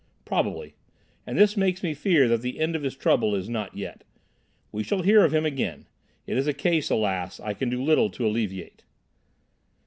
"Probably. And this makes me fear that the end of his trouble is not yet. We shall hear of him again. It is a case, alas! I can do little to alleviate."